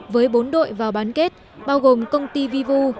với bốn đội vào bán kết bao gồm công ty vivu